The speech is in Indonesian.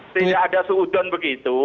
tidak ada seudon begitu